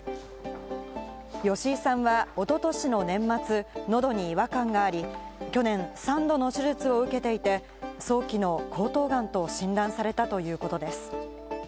吉井さんは、おととしの年末、喉に違和感があり、去年、３度の手術を受けていて、早期の喉頭がんと診断されたということです。